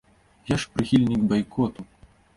Я ж прыхільнік байкоту.